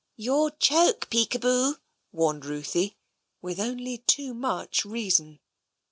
" You'll choke, Peekaboo," warned Ruthie, with only too much reason.